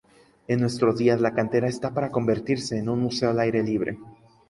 En nuestros días, la cantera está para convertirse en un museo al aire libre.